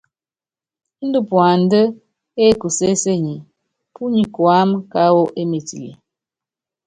Índɛ puandá ékusésenyi, púnyi kuáma káwɔ émetile.